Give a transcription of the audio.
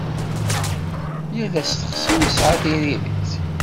Yal asteqsi yesɛa tiririt.